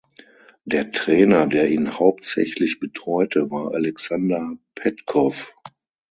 Der Trainer, der ihn hauptsächlich betreute, war Alexander Petkow.